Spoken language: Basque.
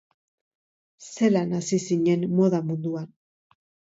Zelan hasi zinen moda munduan?